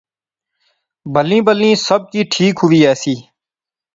بلی بلی سب کی ٹھیک ہوئی ایسی